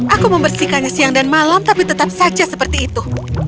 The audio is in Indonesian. aku membersihkannya siang dan malam tapi tetap saja seperti itu